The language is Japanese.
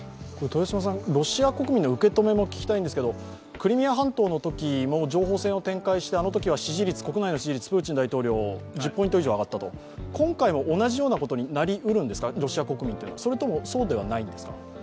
ロシア国民の受け止めも聞きたいんですけれども、クリミア半島のときも情報戦を展開してあのときは国内の支持率、プーチン大統領、１０ポイント以上上がったと今回も同じようなことになりうるんですか、それともそうではないんですか？